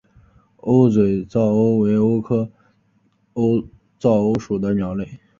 鸥嘴噪鸥为鸥科噪鸥属的鸟类。